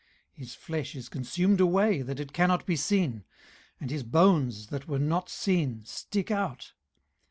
18:033:021 His flesh is consumed away, that it cannot be seen; and his bones that were not seen stick out.